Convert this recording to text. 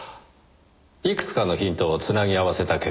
いくつかのヒントを繋ぎ合わせた結果